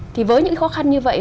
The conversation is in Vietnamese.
thì với những khó khăn như vậy